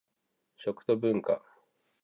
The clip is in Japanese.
食と文化